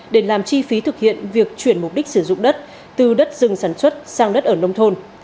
để làm chi phí thực hiện việc chuyển mục đích sử dụng đất từ đất rừng sản xuất sang đất ở nông thôn